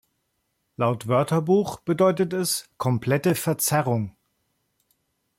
Laut Wörterbuch bedeutet es "komplette Verzerrung".